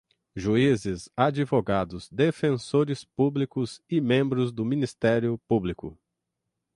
juízes, advogados, defensores públicos e membros do Ministério Público